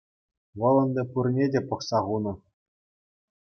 Вӑл ӗнтӗ пурне те пӑхса хунӑ.